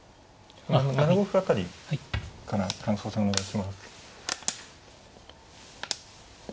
７五歩辺りから感想戦お願いします。